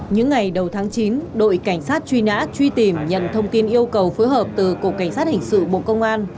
những ngày đầu tháng chín đội cảnh sát truy nã truy tìm nhận thông tin yêu cầu phối hợp từ cục cảnh sát hình sự bộ công an